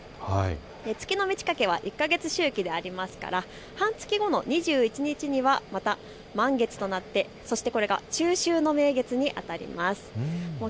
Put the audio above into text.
月の満ち欠けは１か月周期でありますから半月後の２１日には満月となって中秋の名月にあたります。